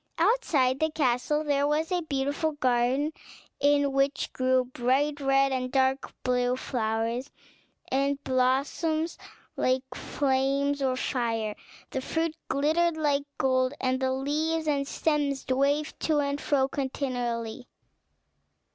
Outside the castle there was a beautiful garden, in which grew bright red and dark blue flowers, and blossoms like flames of fire; the fruit glittered like gold, and the leaves and stems waved to and fro continually.